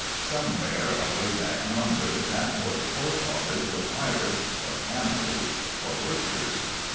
Somewhere, away back yonder, that boy's forefathers were pirates or cannibals or butchers.